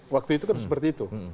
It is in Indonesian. waktu itu kan seperti itu